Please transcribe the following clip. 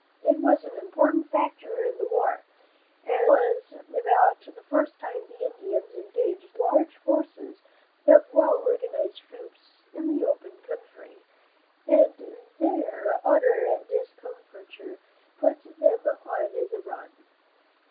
It was an important factor in the war, as it was about the first time the Indians engaged large forces of well organized troops in the open country, and their utter discomfiture put them on the run.